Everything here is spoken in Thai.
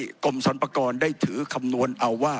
ผมจะขออนุญาตให้ท่านอาจารย์วิทยุซึ่งรู้เรื่องกฎหมายดีเป็นผู้ชี้แจงนะครับ